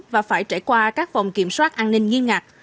và phải trải qua các vòng kiểm soát an ninh nghiêm ngặt